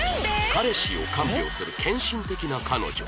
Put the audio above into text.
彼氏を看病する献身的な彼女